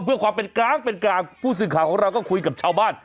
เพื่อความเป็นกลางเป็นกลางผู้สื่อข่าวของเราก็คุยกับชาวบ้าน